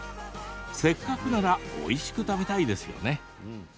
せっかくならおいしく食べたいですよね。